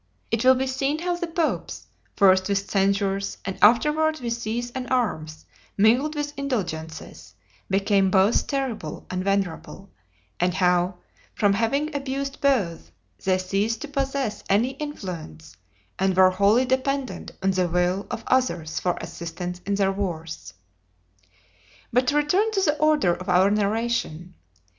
It will be seen how the popes, first with censures, and afterward with these and arms, mingled with indulgences, became both terrible and venerable; and how, from having abused both, they ceased to possess any influence, and were wholly dependent on the will of others for assistance in their wars. But to return to the order of our narration.